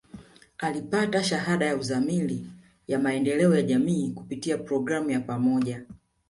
Alipata Shahada ya Uzamili ya Maendeleo ya Jamii kupitia programu ya pamoja